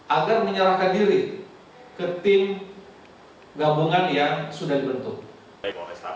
agar menyerahkan diri ke tim gabungan yang sudah dibentuk